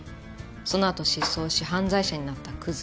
そのあと失踪し犯罪者になったクズ。